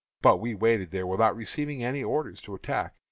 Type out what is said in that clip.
But we waited there without receiving any orders to attack.